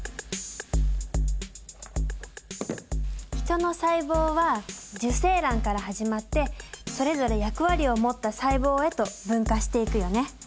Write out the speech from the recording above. ヒトの細胞は受精卵から始まってそれぞれ役割を持った細胞へと分化していくよね。